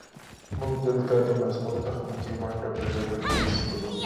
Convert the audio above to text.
موږ دلته د مغزو تخنیکي ونډه په ژبه کې سپړو